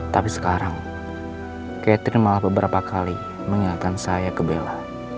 tapi sekarang catherine malah beberapa kali mengingatkan saya ke bella